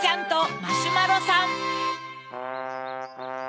マシュマロさん